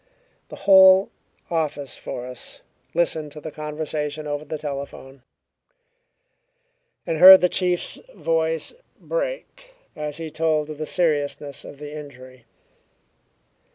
The whole office force listened to the conversation over the telephone, and heard the chief's voice break as he told of the seriousness of the injury.